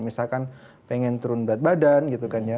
misalkan pengen turun berat badan gitu kan ya